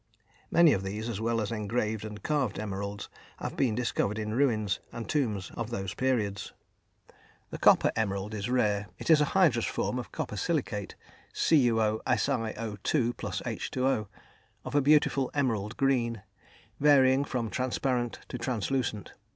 Many of these, as well as engraved and carved emeralds, have been discovered in ruins and tombs of those periods. The copper emerald is rare; it is a hydrous form of copper silicate, CuOSiO_ + H_O, of a beautiful emerald green, varying from transparent to translucent.